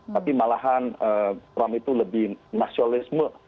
tapi malahan trump itu lebih nasionalisme